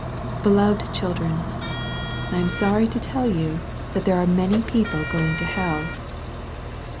Beloved children, I am sorry to tell you that there are many people going to hell.